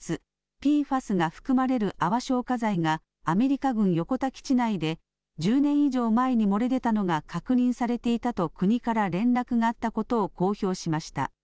ＰＦＡＳが含まれる泡消火剤がアメリカ軍横田基地内で１０年以上前に漏れ出たのが確認されていたと国から連絡があったことを公表しました。